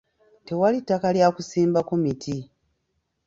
Tewali ttaka lya kusimbako miti.